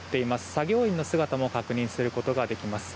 作業員の姿も確認することができます。